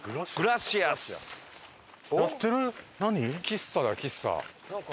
喫茶だ喫茶。